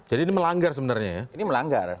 jadi ini melanggar sebenarnya ya ini melanggar